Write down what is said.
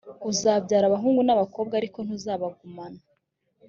uzabyara abahungu n’abakobwa, ariko ntuzabagumana,